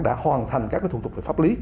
đã hoàn thành các thủ tục về pháp lý